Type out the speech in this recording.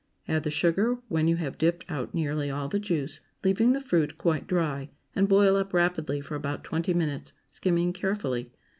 Add the sugar when you have dipped out nearly all the juice, leaving the fruit quite dry, and boil up rapidly for about twenty minutes, skimming carefully.